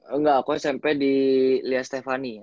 enggak aku smp di lya stephanie